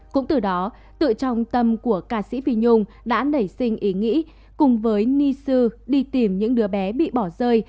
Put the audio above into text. cũng từ đó tự trọng tâm của ca sĩ phi nhung đã nảy sinh ý nghĩ cùng với ni sư đi tìm những đứa bé bị bỏ rơi